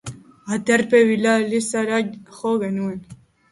Aterpe bila elizara jo genuen.